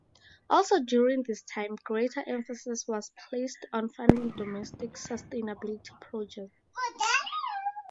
Also during this time, greater emphasis was placed on funding domestic sustainability projects.